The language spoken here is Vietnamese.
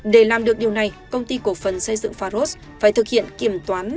để làm được điều này công ty cổ phần xây dựng pharos phải thực hiện kiểm toán